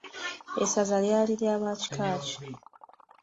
Essasa lyali lya ba kika ki?